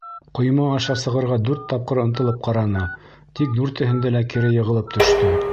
Ҡойма аша сығырға дүрт тапҡыр ынтылып ҡараны, тик дүртеһендә лә кире йығылып төштө.